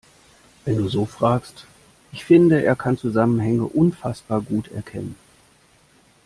Wenn du so fragst, ich finde, er kann Zusammenhänge unfassbar gut erkennen.